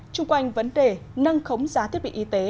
trung quanh vấn đề nâng khống giá thiết bị y tế